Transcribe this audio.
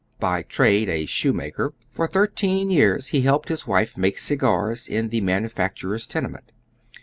'By t] ade a shoemaker, for thirteen years he helped his wife make cigars in the manufacturer's tenement.